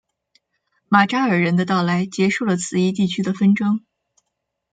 马扎尔人的到来结束了此一地区的纷争。